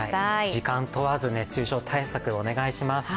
時間問わず熱中症対策をお願いします。